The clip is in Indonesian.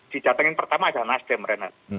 di jatengin pertama ada nasdem renat